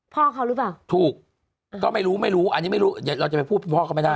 พ่อเขาหรือเปล่าถูกก็ไม่รู้ไม่รู้อันนี้ไม่รู้เดี๋ยวเราจะไปพูดพ่อเขาไม่ได้